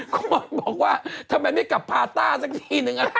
คงบอกว่าทำไมไม่กลับพาร์ตาร์สักทีนึง